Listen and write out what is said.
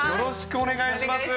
お願いします。